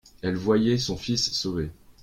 Elle voyait son fils sauvé.